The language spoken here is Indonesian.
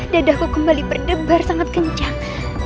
dadahku kembali berdebar sangat kencang